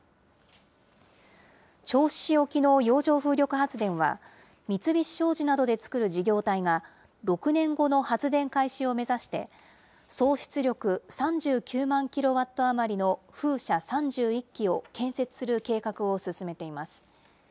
銚子市沖の洋上風力発電は、三菱商事などで作る事業体が、６年後の発電開始を目指して、総出力３９万キロワット余りの風車３１基を建設する計画を進めています。